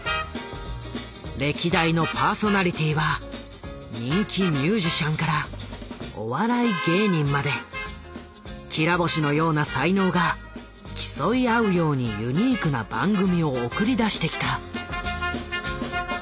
歴代のパーソナリティーは人気ミュージシャンからお笑い芸人まできら星のような才能が競い合うようにユニークな番組を送り出してきた。